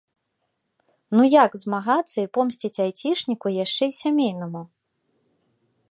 Ну як змагацца і помсціць айцішніку, яшчэ і сямейнаму?